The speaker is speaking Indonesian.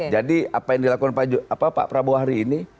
jadi apa yang dilakukan pak prabowo hari ini